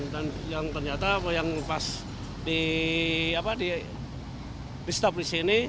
dan yang ternyata pas di stabilis ini